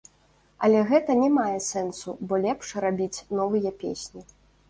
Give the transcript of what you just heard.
Але гэта не мае сэнсу, бо лепш рабіць новыя песні.